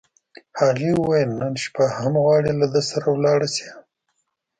هغې وویل: نن شپه هم غواړې، له ده سره ولاړه شې؟